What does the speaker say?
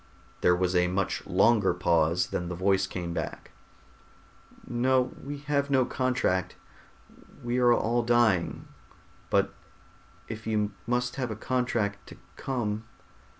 There was a much longer pause. Then the voice came back, "No, we have no contract. We are all dying, but if you must have a contract to come...."